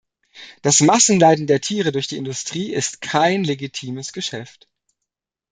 Das Massenleiden der Tiere durch die Industrie ist kein legitimes Geschäft.